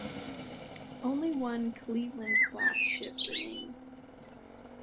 Only one "Cleveland"-class ship remains.